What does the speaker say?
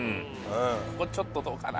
ここちょっとどうかな